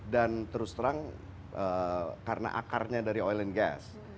dan terus terang karena akarnya dari oil and gas